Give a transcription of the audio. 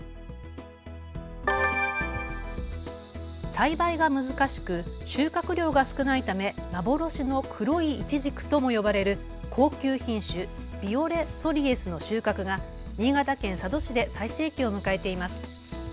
栽培が難しく収穫量が少ないため幻の黒いイチジクとも呼ばれる高級品種、ビオレ・ソリエスの収穫が新潟県佐渡市で最盛期を迎えています。